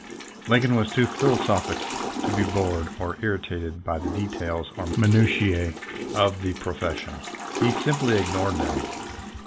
Lincoln was too philosophic to be bored or irritated by the details or minutiae of the profes sion. He simply ignored them.